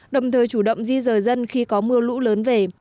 đồng thời chủ động di rời dân khi có mưa lũ lớn về